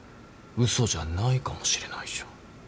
嘘じゃないかもしれないじゃん。